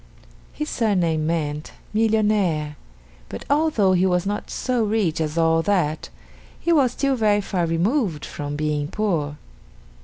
His surname meant "Millionaire," but although he was not so rich as all that, he was still very far removed from being poor.